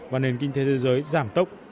và nền kinh tế thế giới giảm tốc